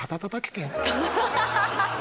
ハハハハ！